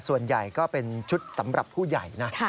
ส่วนใหญ่ก็เป็นชุดสำหรับผู้ใหญ่นะ